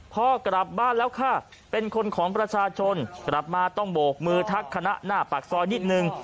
พ่อกลับบ้านแล้วค่ะเป็นคนของประชาชนกลับมาต้องโบกมือทักคณะหน้าปากซอยนิดนึง